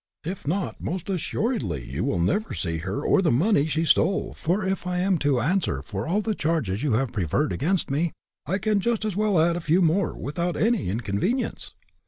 If not, most assuredly you will never see her or the money she stole, for if I am to answer for all the charges you have preferred against me, I can just as well add a few more, without any inconvenience."